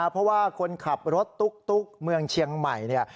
เพราะว่าคนขับรถตุ๊กเมืองเชียงใหม่เนี่ย